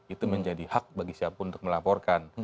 itu menjadi hak bagi siapapun untuk melaporkan